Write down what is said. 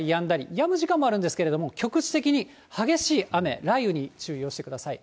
やむ時間もあるんですけれども、局地的に激しい雨、雷雨に注意をしてください。